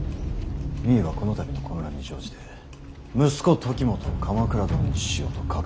実衣はこの度の混乱に乗じて息子時元を鎌倉殿にしようと画策した。